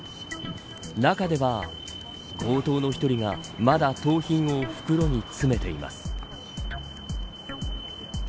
中では強盗の１人が、まだ盗品を袋に詰めています。